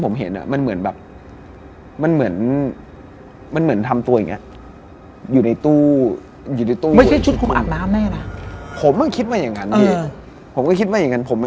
มีเรื่องราวแบบนี้